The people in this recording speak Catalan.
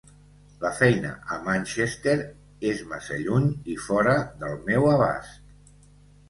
La feina a Manchester és massa lluny i fora del meu abast.